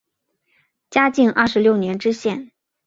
嘉靖二十六年知县。